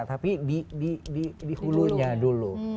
tapi di hulunya dulu